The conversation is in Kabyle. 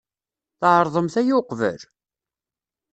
Tɛerḍemt aya uqbel?